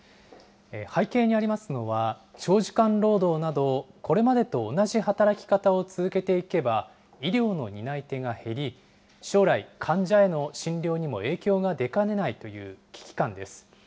背景にありますのは、長時間労働など、これまでと同じ働き方を続けていけば、医療の担い手が減り、将来、患者への診療にも影響が出かねないという危機感です。